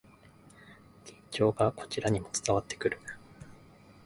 緊張がこちらにも伝わってくる